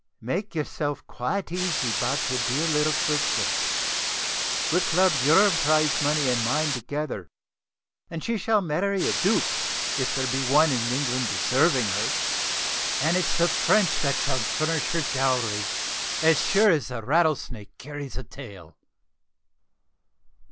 Make yourself quite easy about your dear little sister. We'll club your prize money and mine together, and she shall marry a duke, if there is one in England deserving her; and it's the French that shall furnish her dowry, as sure as the Rattlesnake carries a tail."